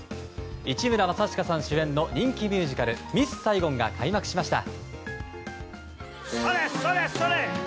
市村正親さん主演の人気ミュージカル「ミス・サイゴン」が開幕しました。